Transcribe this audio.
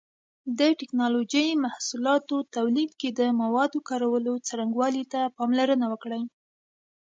د ټېکنالوجۍ محصولاتو تولید کې د موادو کارولو څرنګوالي ته پاملرنه وکړئ.